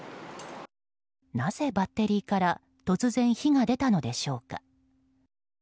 なぜバッテリーから突然火が出たのでしょうか。